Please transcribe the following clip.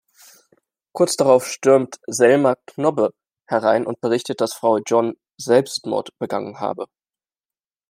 Kurz darauf stürmt Selma Knobbe herein und berichtet, dass Frau John Selbstmord begangen habe.